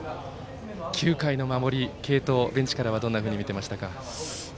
９回の守り、継投ベンチからはどんなふうに見ていましたか？